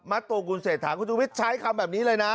ตัวคุณเศรษฐาคุณชุวิตใช้คำแบบนี้เลยนะ